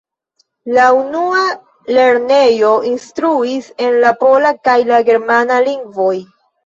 La unua lernejo instruis en la pola kaj la germana lingvoj.